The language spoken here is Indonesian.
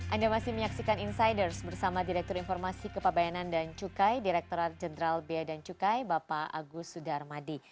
anda masih menyaksikan insiders bersama direktur informasi kepabayanan dan cukai direkturat jenderal biaya dan cukai bapak agus sudarmadi